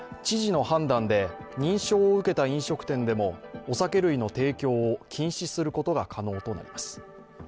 知事の判断で認証を受けた飲食店でもお酒類の提供を禁止することが可能となります。